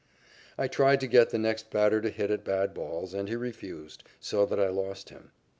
I tried to get the next batter to hit at bad balls, and he refused, so that I lost him.